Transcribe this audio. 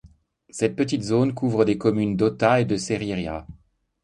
Cette petite zone couvre des communes d'Ota et de Serriera.